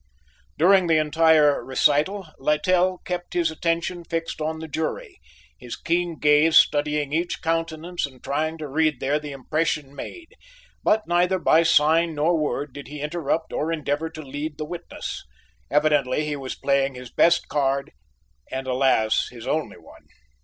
During the entire recital, Littell kept his attention fixed on the jury, his keen gaze studying each countenance and trying to read there the impression made, but neither by sign nor word did he interrupt or endeavor to lead the witness. Evidently he was playing his best card, and, alas! his only one.